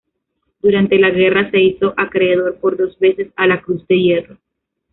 Durante la guerra se hizo acreedor por dos veces a la Cruz de Hierro.